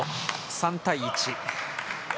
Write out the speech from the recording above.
３対１。